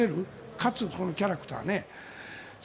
かつ、キャラクターね。